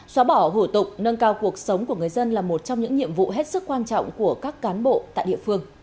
xóa bỏ hủ tục nâng cao cuộc sống của người dân là một trong những nhiệm vụ hết sức quan trọng của các cán bộ tại địa phương